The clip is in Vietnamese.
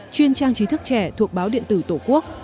chuyên trang trí thức trẻ thuộc báo điện tử tổ quốc